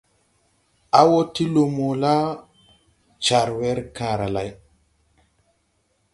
A wɔ ti lumo la, car wer kããra lay.